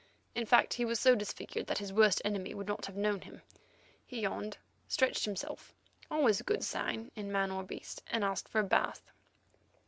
In fact he was so disfigured that his worst enemy would not have known him. He yawned, stretched himself, always a good sign in man or beast, and asked for a bath.